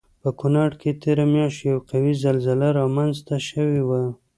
په کنړ کې تېره میاشت یوه قوي زلزله رامنځته شوی وه